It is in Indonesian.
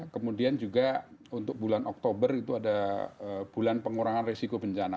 kemudian juga untuk bulan oktober itu ada bulan pengurangan resiko bencana